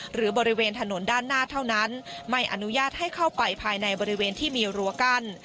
หรือบริเวณถนนด้านหน้าเท่านั้นไม่อนุญาตให้เข้าไปภายในบริเวณที่มีรั้วกั้น